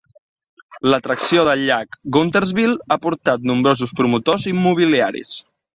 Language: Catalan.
L'atracció del llac Guntersville ha portat nombrosos promotors immobiliaris.